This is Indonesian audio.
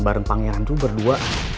bareng pangeran itu berdua